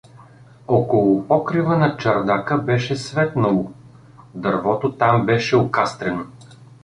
Около покрива на чардака беше светнало — дървото там беше окастрено.